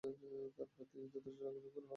আমার পাথেয়ের জন্য যথেষ্ট টাকা সংগ্রহ করছি।